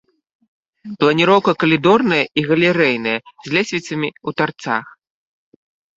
Планіроўка калідорная і галерэйная, з лесвіцамі ў тарцах.